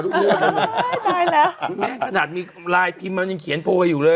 ได้หน่อยนะแม่ถนัดมีลายพิมพ์มันยังเขียนโภกอยู่เลย